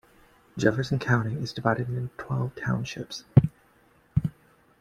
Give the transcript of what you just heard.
Jefferson County is divided into twelve townships.